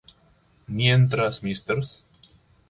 Mientras Mrs.